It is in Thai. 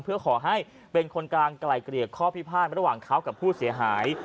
เพื่อขอให้เป็นคนกลางไกลเกลี่ยข้อพิพาทระหว่างเขากับผู้เสียหาย